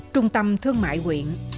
trung tâm thương mại nguyện